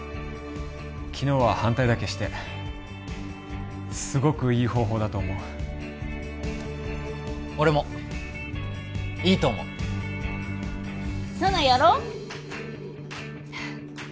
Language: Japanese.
昨日は反対だけしてすごくいい方法だと思う俺もいいと思う佐奈やろう